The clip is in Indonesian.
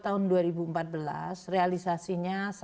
tahun dua ribu empat belas realisasinya